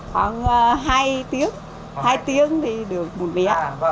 khoảng hai tiếng hai tiếng thì được một mẻ